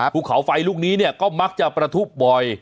ภูเขาไฟลูกนี้เนี่ยก็มักจะประทุบบ่อย